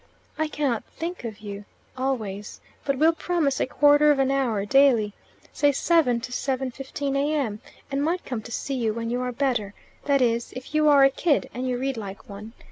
I cannot think of you always, but will promise a quarter of an hour daily (say 7.00 7.15 A.M.), and might come to see you when you are better that is, if you are a kid, and you read like one.